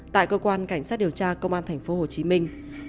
tại cơ quan cảnh sát điều tra công an thành phố hồ chí minh